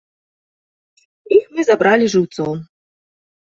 Іх мы забралі жыўцом.